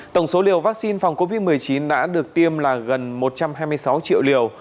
tổng số liều vaccine phòng covid một mươi chín đã được tiêm là gần một trăm hai mươi sáu triệu liều